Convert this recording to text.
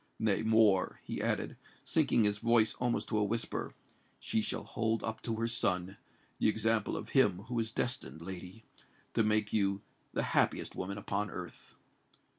Nay, more," he added, sinking his voice almost to a whisper, "she shall hold up to her son the example of him who is destined, lady, to make you the happiest woman upon earth."